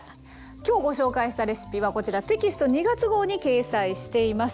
今日ご紹介したレシピはこちらテキスト２月号に掲載しています。